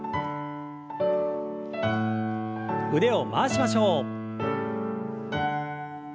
腕を回しましょう。